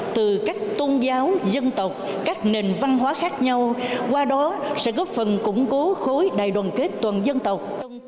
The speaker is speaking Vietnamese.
từ các tôn giáo dân tộc các nền văn hóa khác nhau qua đó sẽ góp phần củng cố khối đại đoàn kết toàn dân tộc